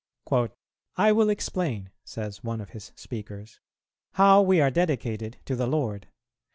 "I will explain," says one of his speakers, "how we are dedicated to the Lord.